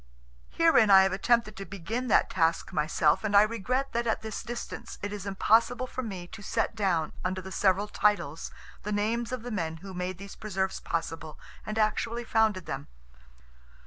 Herein I have attempted to begin that task myself, and I regret that at this distance it is impossible for me to set down under the several titles the names of the men who made these preserves possible, and actually founded them.